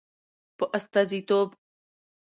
په استازیتوب